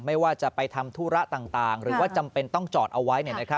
ไม่ว่าจะไปทำธุระต่างหรือว่าจำเป็นต้องจอดเอาไว้